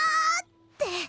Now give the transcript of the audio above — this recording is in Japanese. って。